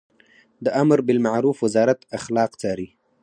د امربالمعروف وزارت اخلاق څاري